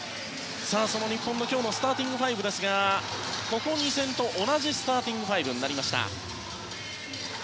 日本の今日のスターティングファイブですがここ２戦と同じスターティングファイブになりました。